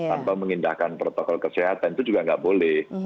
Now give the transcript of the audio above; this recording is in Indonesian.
tanpa mengindahkan protokol kesehatan itu juga nggak boleh